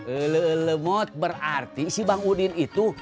ele ele mod berarti si bang udin itu